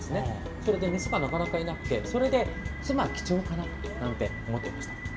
それで、メスがなかなかいなくて妻貴重かななんて思ったりしました。